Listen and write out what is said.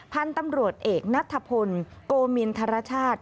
พันธุ์ตำรวจเอกนัทพลโกมินทรชาติ